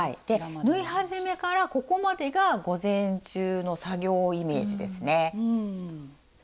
縫い始めからここまでが午前中の作業イメージですね。